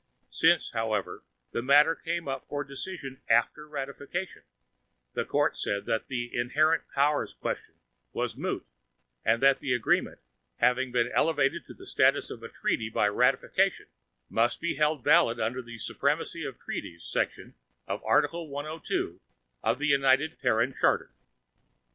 Since, however, the matter came up for decision after ratification, the Court said that the "inherent powers" question was moot, and that the Agreement, having been elevated to the status of a treaty by ratification, must be held valid under the "Supremacy of Treaties" section of Article 102 of the United Terran Charter.